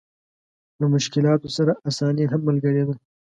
له مشکلاتو سره اساني هم ملګرې ده.